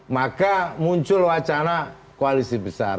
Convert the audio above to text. maka muncul wacana koalisi besar